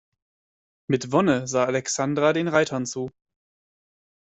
Mit Wonne sah Alexandra den Reitern zu.